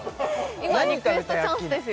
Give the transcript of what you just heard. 今リクエストチャンスですよ